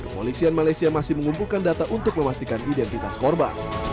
kepolisian malaysia masih mengumpulkan data untuk memastikan identitas korban